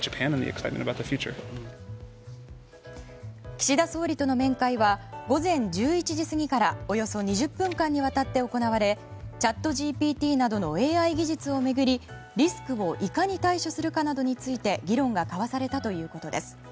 岸田総理との面会は午前１１時過ぎからおよそ２０分間にわたって行われチャットＧＰＴなどのＡＩ技術を巡りリスクをいかに対処するかなどについて議論が交わされたということです。